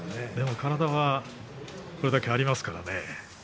体はこれだけありますけどね。